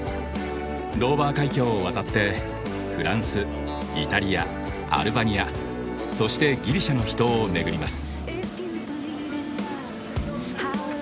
ドーバー海峡を渡ってフランスイタリアアルバニアそしてギリシャの秘湯を巡ります。